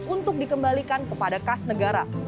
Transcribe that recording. untuk dikembalikan kepada kas negara